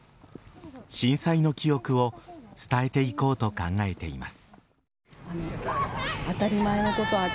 震災の記憶を伝えていこうと考えています。